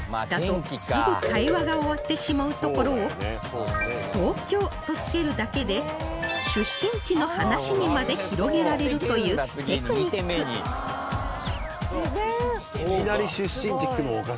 だとすぐ会話が終わってしまうところを「東京」とつけるだけで出身地の話にまで広げられるというテクニック